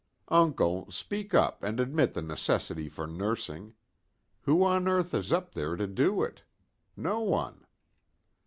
Uncle, speak up and admit the necessity for nursing. Who on earth is up there to do it? No one."